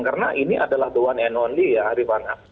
karena ini adalah the one and only ya arifana